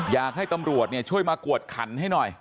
อยากให้ตำรวจช่วยมากวดขันให้หน่อย